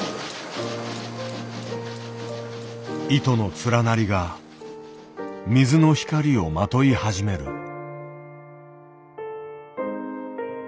糸の連なりが水の光をまとい始める。